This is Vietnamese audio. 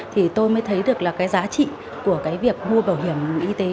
thì tôi mới thấy được là cái giá trị của cái việc mua bảo hiểm y tế